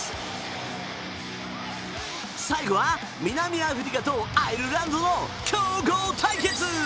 最後は南アフリカとアイルランドの強豪対決！